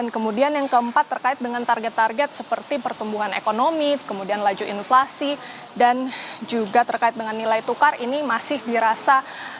kemudian yang keempat terkait dengan target target seperti pertumbuhan ekonomi kemudian laju inflasi dan juga terkait dengan nilai tukar ini masih dirasa